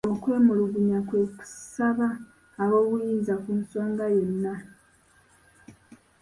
Okwemulugunya kwe kusaba ab'obuyinza ku nsonga yonna.